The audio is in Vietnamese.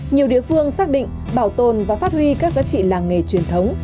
nhiều địa phương xác định bảo tồn và phát huy các giá trị làng nghề truyền thống